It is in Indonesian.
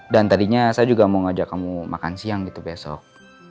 dan tadinya saya juga mau ngajak kamu makan siang gitu besok